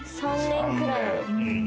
３年くらい。